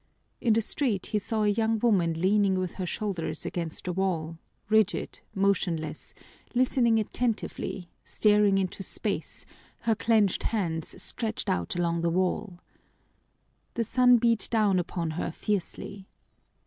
In the street he saw a young woman leaning with her shoulders against the wall, rigid, motionless, listening attentively, staring into space, her clenched hands stretched out along the wall. The sun beat down upon her fiercely.